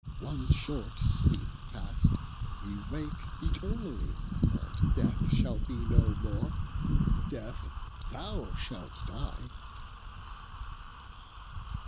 One short sleepe past, wee wake eternally, And death shall be no more; death, thou shalt die.